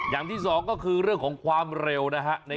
อย่างที่สองก็คือเรื่องของความเร็วนะฮะ